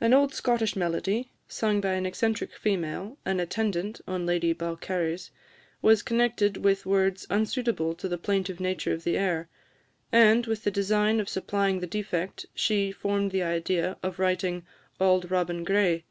An old Scottish melody, sung by an eccentric female, an attendant on Lady Balcarres, was connected with words unsuitable to the plaintive nature of the air; and, with the design of supplying the defect, she formed the idea of writing "Auld Robin Gray."